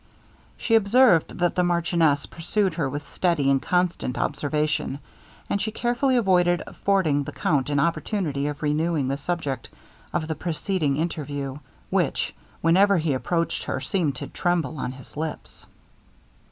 She observed that the marchioness pursued her with steady and constant observation, and she carefully avoided affording the count an opportunity of renewing the subject of the preceding interview, which, whenever he approached her, seemed to tremble on his lips.